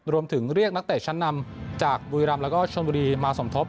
รวมถึงเรียกนักเตะชั้นนำจากบุรีรำแล้วก็ชนบุรีมาสมทบ